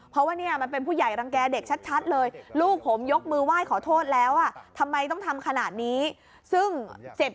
อย่าทำการล้างข้าสินไหมนี่ทดแทนเรื่องที่ได้รับบาดเจ็บ